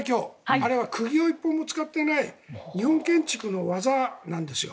あれは釘を１本も使っていない日本建築の技なんですよ。